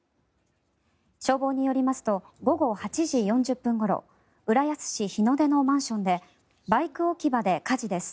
消防によりますと午後８時４０分ごろ浦安市日の出のマンションでバイク置き場で火事です